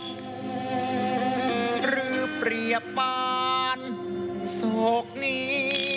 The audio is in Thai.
หรือเปรียบปานโศกนี้